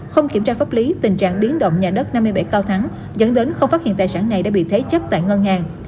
không kiểm tra pháp lý tình trạng biến động nhà đất năm mươi bảy cao thắng dẫn đến không phát hiện tài sản này đã bị thế chấp tại ngân hàng